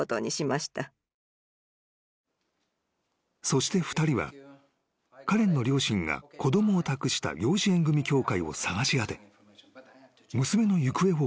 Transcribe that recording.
［そして２人はカレンの両親が子供を託した養子縁組協会を探し当て］